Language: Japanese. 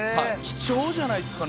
貴重じゃないですか？